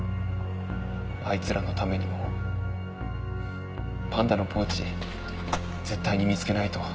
あいつらのためにもパンダのポーチ絶対に見つけないと。